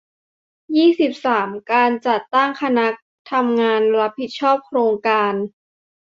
ยี่สิบสาม การจัดตั้งคณะทำงานรับผิดชอบโครงการ